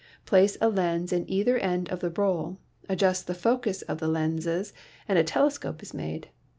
Place a lens in either end of the roll, adjust the focus of the lenses and a telescope is made.